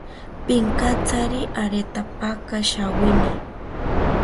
Pinkatsari aretapaka shawini